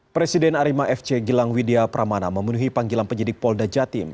presiden arema fc gilang widya pramana memenuhi panggilan penyidik polda jatim